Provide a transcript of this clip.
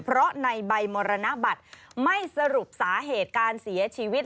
เพราะในใบมรณบัตรไม่สรุปสาเหตุการเสียชีวิต